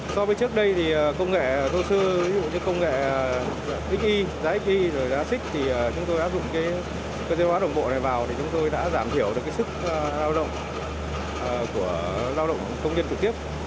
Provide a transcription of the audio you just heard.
so với trước đây thì công nghệ thô sư ví dụ như công nghệ xi giá xi giá xích thì chúng tôi đã dùng cái chế độ lao động bộ này vào thì chúng tôi đã giảm thiểu được cái sức lao động của lao động công nhân trực tiếp